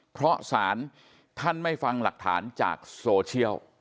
เพราะศาลท่านไม่ฟังหลักฐานจากโซเชียล